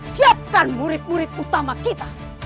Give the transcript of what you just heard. siapkan murid murid utama kita